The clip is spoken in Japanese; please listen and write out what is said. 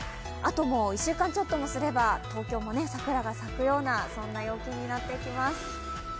あともう１週間ちょっともすれば東京も桜が咲くような陽気になってきます。